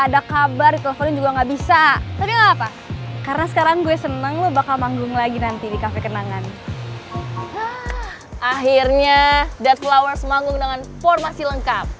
akhirnya dead flowers manggung dengan formasi lengkap